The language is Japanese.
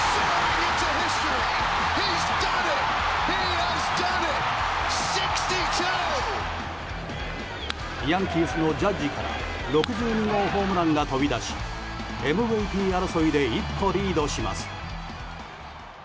ヤンキースのジャッジから６２号ホームランが飛び出しＭＶＰ争いで一歩リードします。